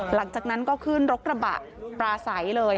หลังจากนั้นก็ขึ้นรถกระบะปลาใสเลย